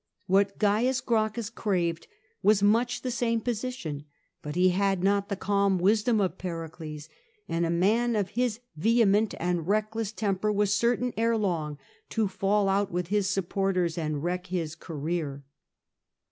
What Cains Grauchus craved was much the same position ; hut he had not the calm wisdom of Pericles, and a man of his vehement and reckless temper was certain ere long to fail out with his supporters and wreck his career.